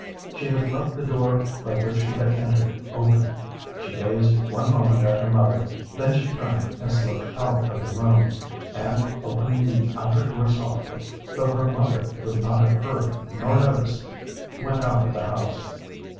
She had left the door by which she had entered open; she gazed one moment at her mother, then she turned and slipped out of the room, and, opening the outer door softly, though her mother would not have heard nor noticed, went out of the house.